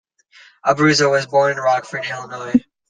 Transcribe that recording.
Abruzzo was born in Rockford, Illinois.